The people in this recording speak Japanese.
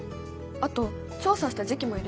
あと調査した時期も入れよう。